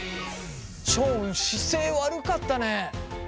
ション姿勢悪かったね。